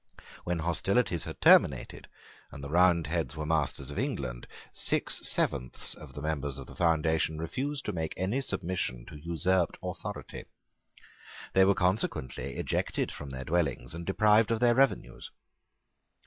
When hostilities had terminated, and the Roundheads were masters of England, six sevenths of the members of the foundation refused to make any submission to usurped authority. They were consequently ejected from their dwellings and deprived of their revenues.